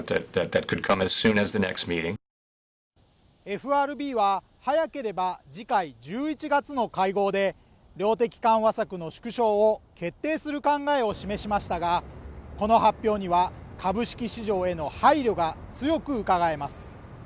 ＦＲＢは早ければ次回１１月の会合で量的緩和策の縮小を決定する考えを示しましたがこの発表には株式市場への配慮が強くうかがえます